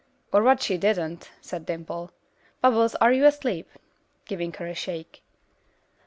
"Or what she didn't," said Dimple. "Bubbles, are you asleep?" giving her a shake.